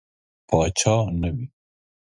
پاچا نه وي.